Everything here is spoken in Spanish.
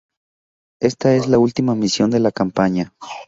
Esta es la última misión de la campaña.